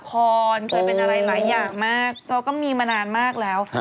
เคยเป็นอะไรหลายอย่างมากเราก็มีมานานมากแล้ว